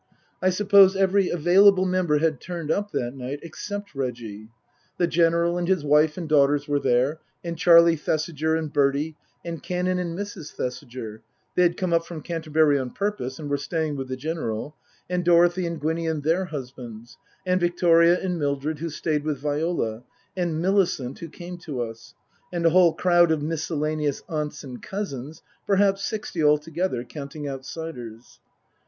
I suppose 188 Tasker Jevons every available member had turned up that night, except Reggie. The General and his wife and daughters were there ; and Charlie Thesiger and Bertie ; and Canon and Mrs. Thesiger (they had come up from Canterbury on purpose, and were staying with the General) ; and Dorothy and Gwinny and their husbands ; and Victoria and Mildred, who stayed with Viola ; and Millicent, who came to us ; and a whole crowd of miscellaneous aunts and cousins ; perhaps sixty altogether, counting outsiders.